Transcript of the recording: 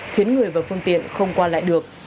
khiến người và phương tiện không qua lại được